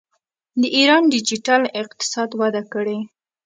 د ایران ډیجیټل اقتصاد وده کړې.